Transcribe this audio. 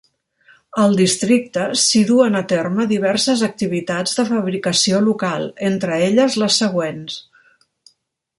Al Districte s'hi duen a terme diverses activitats de fabricació local, entre elles, les següents.